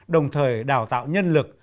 đồng thời đào tạo nhân lực